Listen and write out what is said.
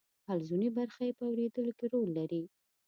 حلزوني برخه یې په اوریدلو کې رول لري.